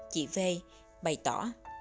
chị v bày tỏ